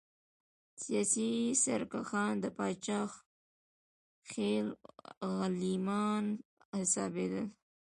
سیاسي سرکښان د پاچا خپل غلیمان حسابېدل.